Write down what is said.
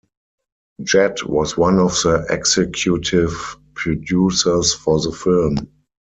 Jett was one of the executive producers for the film.